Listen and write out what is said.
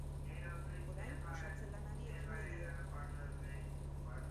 Orain osatze lanari ekingo dio.